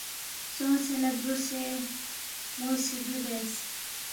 سونگسے نہ دوسے مو سی دیُو بیاس